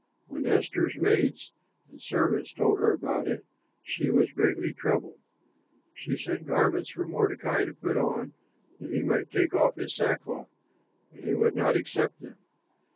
When Esther's maids and servants told her about it, she was greatly troubled. She sent garments for Mordecai to put on, that he might take off his sackcloth; but he would not accept them.